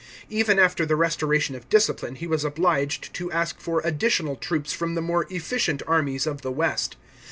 Even after the restoration of discipline he was obliged to ask for additional troops from the more efficient armies of the west.